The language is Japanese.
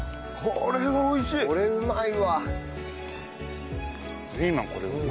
これうまい。